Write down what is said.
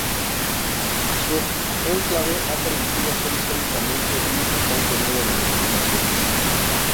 Su enclave ha permitido ser históricamente un importante nudo de comunicaciones.